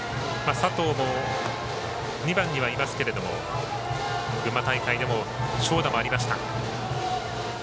佐藤も２番にはいますけれども群馬大会では長打もありました。